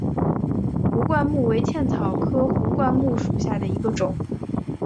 壶冠木为茜草科壶冠木属下的一个种。